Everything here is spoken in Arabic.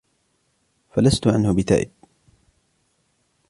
فلست عنه بتائب.